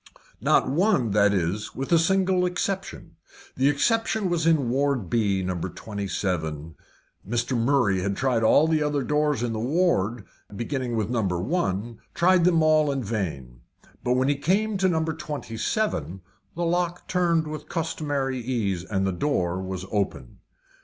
Not one, that is, with a single exception. The exception was in Ward B, No. 27. Mr. Murray had tried all the other doors in the ward, beginning with No. 1 tried them all in vain. But when he came to No. 27, the lock turned with the customary ease, and the door was open.